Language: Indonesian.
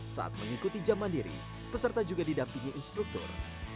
saat mengikuti jam mandiri peserta juga didampingi instruktur